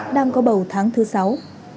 đang có bầu tháng thứ sáu